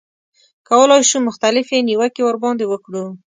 کولای شو مختلفې نیوکې ورباندې وکړو.